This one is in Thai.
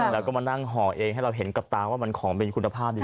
แล้วก็มานั่งห่อเองให้เราเห็นกับตาว่ามันของเป็นคุณภาพดี